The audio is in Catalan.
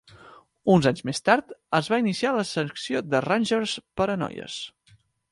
Uns anys més tard es va iniciar la secció de Rangers per a noies.